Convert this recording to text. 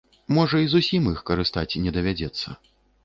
Можа, і зусім іх карыстаць не давядзецца.